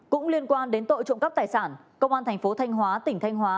cũng liên quan đến tội trộm cắp tài sản công an thành phố thanh hóa tỉnh thanh hóa